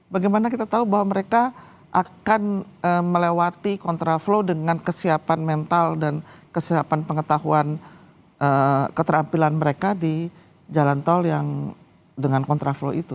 bagaimana kita tahu bahwa mereka akan melewati kontraflow dengan kesiapan mental dan kesiapan pengetahuan keterampilan mereka di jalan tol yang dengan kontraflow itu